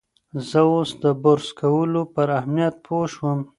زه اوس د برس کولو پر اهمیت پوه شوم.